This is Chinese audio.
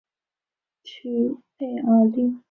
屈佩尔利。